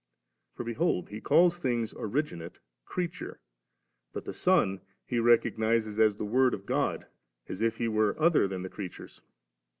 For behold he calls things originate * creature;' but the Son he recognises as the Word of God, as if He were other than the creatures.